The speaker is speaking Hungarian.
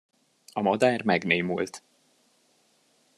A madár megnémult.